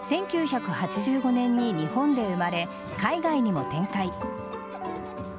１９８５年に日本で生まれ海外にも展開。